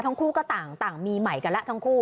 ทั้งคู่ก็ต่างมีใหม่กันแล้วทั้งคู่